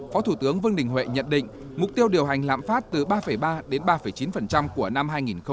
phó thủ tướng vương đình huệ nhận định mục tiêu điều hành lãm phát từ ba ba đến ba chín của năm hai nghìn một mươi chín